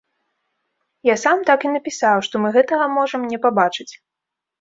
Я сам так і напісаў, што мы гэтага можам не пабачыць.